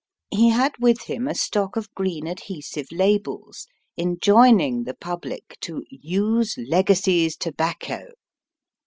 He had with him a stock of green adhesive labels, enjoining the public to '^ Use Legacy's Tobacco."